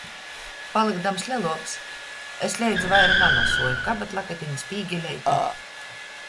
Palykdams leluoks, es leidza vaira nanosuoju kabatlakateņu, spīgeleiti.